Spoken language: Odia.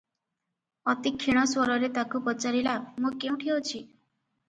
ଅତି କ୍ଷୀଣ ସ୍ୱରରେ ତାକୁ ପଚାରିଲା, "ମୁଁ କେଉଁଠି ଅଛି?